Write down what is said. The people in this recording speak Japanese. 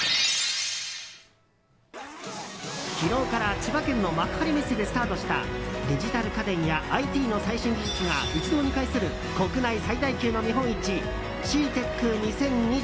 昨日から千葉県の幕張メッセでスタートしたデジタル家電やＩＴの最新技術が一堂に会する国内最大級の見本市ＣＥＡＴＥＣ２０２２。